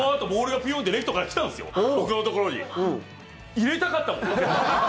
入れたかったもん。